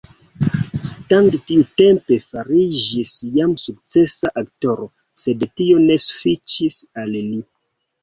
Stan tiutempe fariĝis jam sukcesa aktoro, sed tio ne sufiĉis al li.